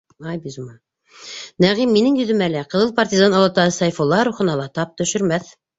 Нәғим минең йөҙөмә лә, ҡыҙыл партизан олатаһы Сәйфулла рухына ла тап төшөрмәҫ!